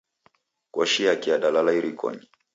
Koshi yake yadalala irikonyi.